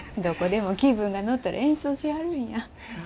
どこでも気分が乗ったら演奏しはるんや。